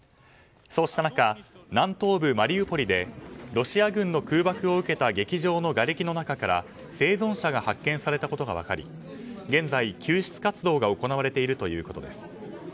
そうした中、南東部マリウポリでロシア軍の空爆を受けた劇場のがれきの中から生存者が発見されたことが分かり現在、救出活動が行われているということです。